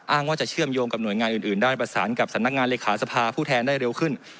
ว่าจะเชื่อมโยงกับหน่วยงานอื่นได้ประสานกับสำนักงานเลขาสภาผู้แทนได้เร็วขึ้น